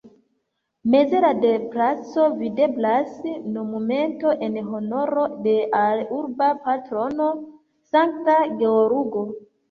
Meze de la placo videblas monumento en honoro de al urba patrono Sankta Georgo.